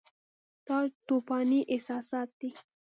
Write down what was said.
دا توپاني احساسات دي.